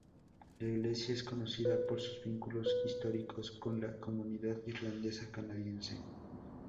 La iglesia es conocida por sus vínculos históricos con la comunidad irlandesa canadiense.